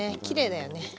きれいだよね。